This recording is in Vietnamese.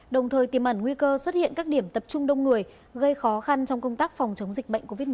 đồng thời tìm ẩn nguy cơ xuất hiện các điểm tập trung đông người gây khó khăn trong công tác phòng chống dịch bệnh covid một mươi chín